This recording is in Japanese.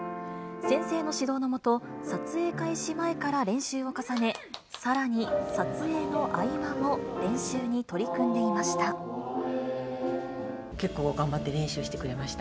先生の指導の下、撮影開始前から練習を重ね、さらに撮影の合間も、結構頑張って練習してくれました。